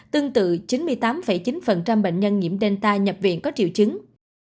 tương tự chín mươi tám chín bệnh nhân nhiễm delta nhập viện có triệu chứng